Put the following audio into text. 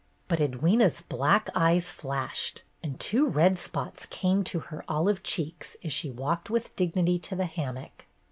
But Edwyna's black eyes flashed, and two red spots came to her olive cheeks as she walked with dignity to the hammock.